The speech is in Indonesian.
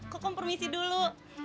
kokom permisi dulu